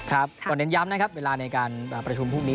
ครับก็เน้นย้ำนะครับเวลาในการประชุมพรุ่งนี้